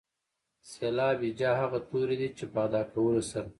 سېلاب هجا هغه توري دي چې په ادا کولو سره.